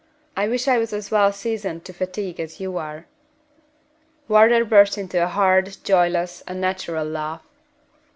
I wish I was as well seasoned to fatigue as you are." Wardour burst into a hard, joyless, unnatural laugh.